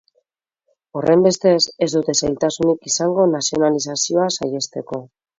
Horrenbestez, ez dute zailtasunik izango nazionalizazioa saihesteko.